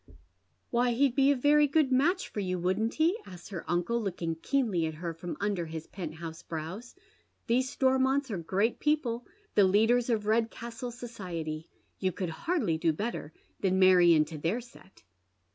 «d Bead Men's Shoe*. " "Why, he'd be a very good match for you, wouIdnH he? asks her uncie, looking keenly at her from under his penthouse browa. •♦These Stormonts are great people, the leaders of Redcastle society. You could hardly do better than marry into their set."